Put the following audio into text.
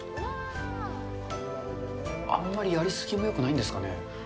あんまりやりすぎもよくないんですかね。